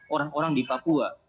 orang orang di papua